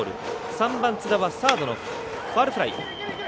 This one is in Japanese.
３番、津田はサードのファウルフライ。